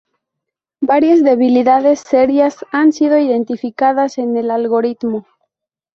Varias debilidades serias han sido identificadas en el algoritmo.